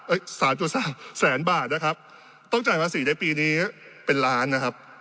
สามจุดสามแสนบาทนะครับต้องจ่ายภาษีในปีนี้เป็นล้านนะครับ